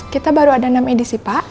kita baru ada enam edisi pak